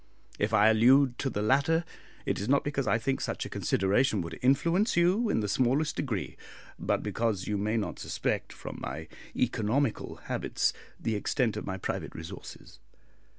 If I allude to the latter, it is not because I think such a consideration would influence you in the smallest degree, but because you may not suspect, from my economical habits, the extent of my private resources.